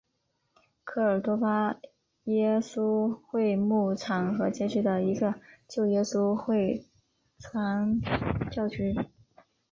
科尔多巴耶稣会牧场和街区的一个旧耶稣会传教区。